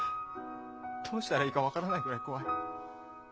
どうしたらいいか分からないぐらい怖い。